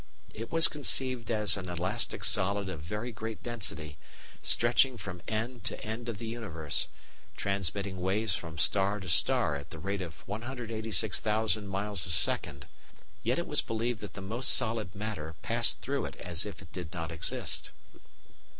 It was conceived as an elastic solid of very great density, stretching from end to end of the universe, transmitting waves from star to star at the rate of 186,000 miles a second; yet it was believed that the most solid matter passed through it as if it did not exist.